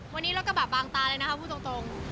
วันนี้รถกระบะบางตาเลยนะคะพูดตรง